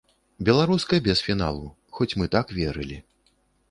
Беларуска без фіналу, хоць мы так верылі.